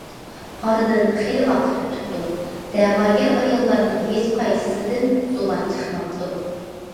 ئارىدىن خېلى ۋاقىت ئۆتۈپتۇ، دەۋاگەر ئاياللارنىڭ ھېچقايسىسىدىن زۇۋان چىقماپتۇ.